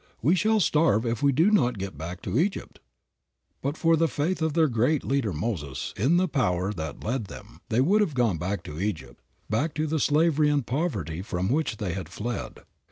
We shall starve if we do not get back to Egypt." But for the faith of their great leader, Moses, in the Power that led them, they would have gone back to Egypt, back to the slavery and poverty from which they had fled.